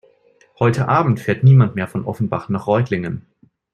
Heute Abend fährt niemand mehr von Offenbach nach Reutlingen